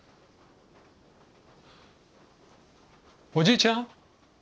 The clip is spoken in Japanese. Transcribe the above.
おじいちゃん？